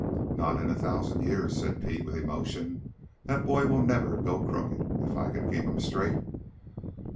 "Not in a thousand years," said Pete with emotion. "That boy will never go crooked if I can keep him straight.